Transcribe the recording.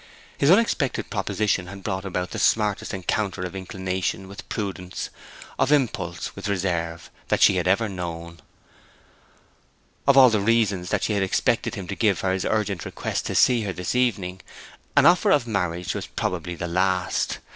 His unexpected proposition had brought about the smartest encounter of inclination with prudence, of impulse with reserve, that she had ever known. Of all the reasons that she had expected him to give for his urgent request to see her this evening, an offer of marriage was probably the last.